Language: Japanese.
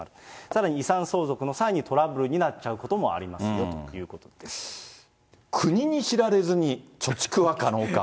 さらに遺産相続の際にトラブルになっちゃうこともありますよとい国に知られずに、貯蓄は可能か。